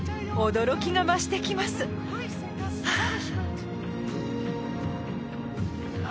「驚きが増してきますはあ」